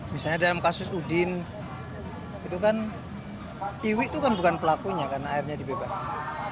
misalnya dalam kasus udin itu kan iwi itu kan bukan pelakunya karena akhirnya dibebaskan